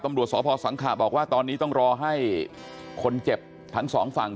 ตำรวจสพสังขะบอกว่าตอนนี้ต้องรอให้คนเจ็บทั้งสองฝั่ง